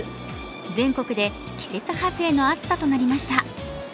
全国で季節外れの暑さとなりました。